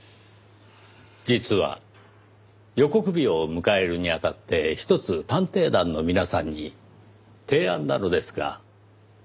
実は予告日を迎えるに当たってひとつ探偵団の皆さんに提案なのですが。